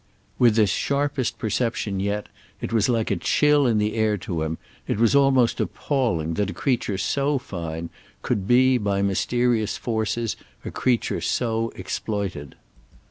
With this sharpest perception yet, it was like a chill in the air to him, it was almost appalling, that a creature so fine could be, by mysterious forces, a creature so exploited.